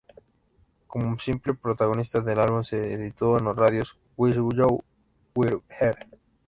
Como single promocional del álbum se editó en las radios "Wish You Were Here".